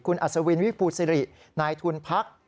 คุณอัศวินวิภูสิรินายทุนพัก